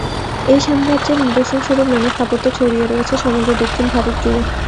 এই সাম্রাজ্যের নিদর্শন স্বরূপ নানা স্থাপত্য ছড়িয়ে রয়েছে সমগ্র দক্ষিণ ভারত জুড়ে।